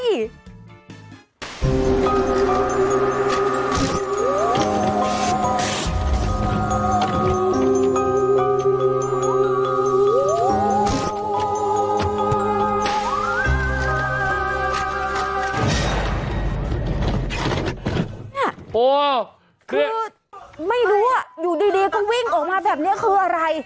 โอ้โหคือไม่รู้ว่าอยู่ดีก็วิ่งออกมาแบบนี้คืออะไร